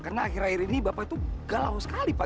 karena akhir akhir ini bapak itu galau sekali pak